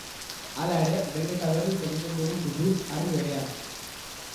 Hala ere, behin eta berriz egiten dugu tupust harri berean.